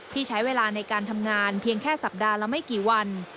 ที่ใช้เวลาในการทำงานเพียงแค่สัปดาห์ละไม่กี่วัน